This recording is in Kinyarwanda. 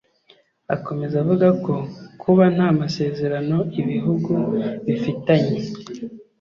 Akomeza avuga ko kuba nta masezerano ibihugu bifitanye